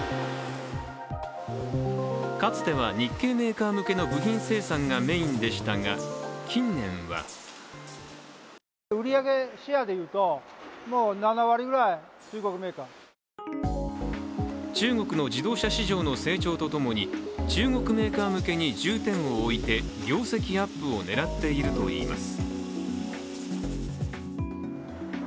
かつては日系メーカー向けの部品生産がメインでしたが、近年は中国の自動車市場の成長とともに中国メーカー向けに重点を置いて業績アップを狙っているといいます。